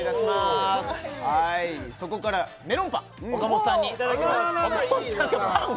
おおはいそこからメロンパン岡本さんにいただきます岡本さん